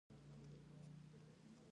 باسواده نجونې اپلیکیشنونه ډیزاین کوي.